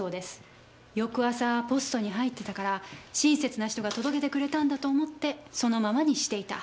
翌朝ポストに入ってたから親切な人が届けてくれたんだと思ってそのままにしていた。